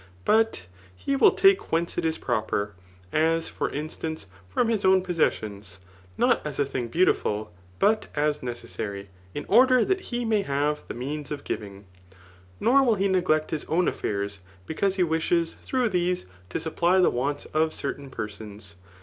But. he will take whence it is proper; as, for instance, from his own possessions, not as a thing beai^tifiil, but as necessary, in order that he: may have the means of gmng. Nor will he neglect his own affairs, because he wishes, through these^ to supply die warns of certain persons.